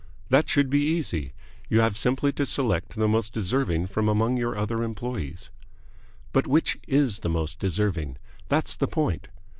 "That should be easy. You have simply to select the most deserving from among your other employees." "But which is the most deserving? That's the point.